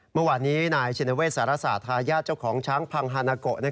เมื่อวานนี้นายชินเวศสารศาสตทายาทเจ้าของช้างพังฮานาโก